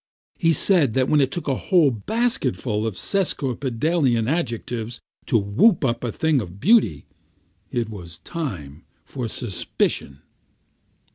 He said that when it took a whole basketful of sesquipedalian adjectives to whoop up a thing of beauty, it was time for suspicion.